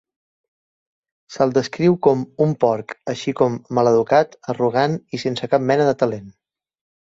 Se'l descriu com "un porc", així com "maleducat, arrogant i sense cap mena de talent".